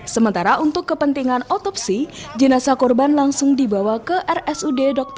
sementara untuk kepentingan otopsi jenasa korban langsung dibawa ke rumah sakit gatul mojokerto